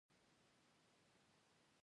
پیلوټ د خدای په نعمتونو باور لري.